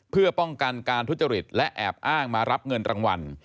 เพื่อป้องกันการทุจริตและแอบอ้างมารับเงินรางวัล